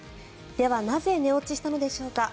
ではなぜ寝落ちしたのでしょうか。